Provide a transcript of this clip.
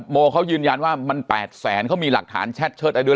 โมเขายืนยันว่ามัน๘แสนเขามีหลักฐานแชทเชิดอะไรด้วย